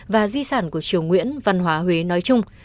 và di sản của triều nguyễn văn hóa huế nói chung